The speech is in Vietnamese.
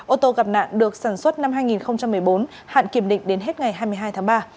ô tô gặp nạn được sản xuất năm hai nghìn một mươi bốn hạn kiểm định đến hết ngày hai mươi hai tháng ba